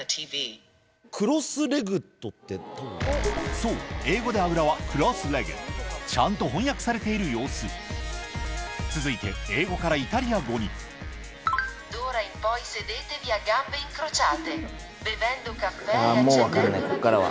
そう英語で「あぐら」は「ｃｒｏｓｓ−ｌｅｇｇｅｄ」ちゃんと翻訳されている様子続いて英語からイタリア語にもう分かんないこっからは。